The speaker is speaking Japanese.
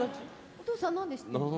お父さん何で知ってるの？